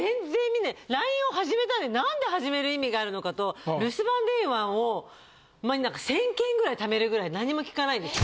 ＬＩＮＥを始めたって何で始める意味があるのかと留守番電話を前なんか１０００件ぐらいためるぐらい何も聞かないです。